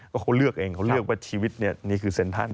ก็เขาเลือกเองเขาเลือกว่าชีวิตนี่คือเซ็นทรัล